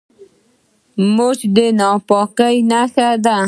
مچ د ناپاکۍ نښه ده